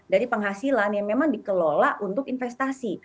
dari penghasilan yang memang dikelola untuk investasi